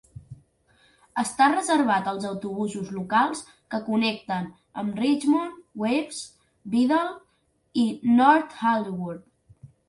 Està reservat als autobusos locals que connecten amb Richmond, Hawes, Bedale i Northallerton.